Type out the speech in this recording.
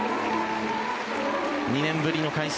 ２年ぶりの開催。